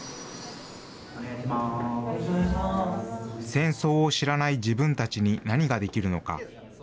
戦争を知らない自分たちに何ができるのか。